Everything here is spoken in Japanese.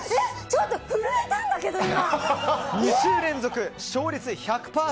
２週連続、勝率１００％